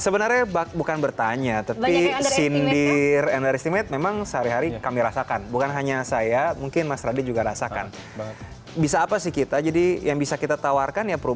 berita terkini dari kpum